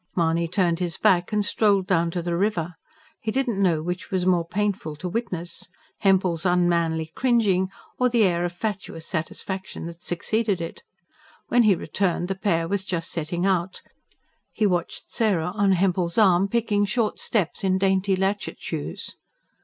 Mahony turned his back and strolled down to the river. He did not know which was more painful to witness: Hempel's unmanly cringing, or the air of fatuous satisfaction that succeeded it. When he returned, the pair was just setting out; he watched Sarah, on Hempel's arm, picking short steps in dainty latchet shoes.